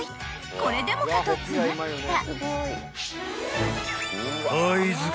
［これでもかと詰まった］